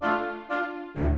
gak kecanduan hp